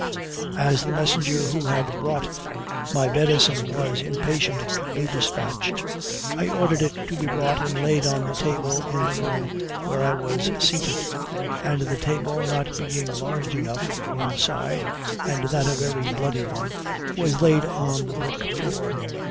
As the messenger who had brought my venison was impatient to be dispatched, I ordered it to be brought and laid on the table in the room where I was seated; and the table not being large enough, one side, and that a very bloody one, was laid on the brick floor.